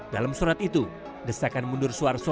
dalam surat itu desakan mundur suar so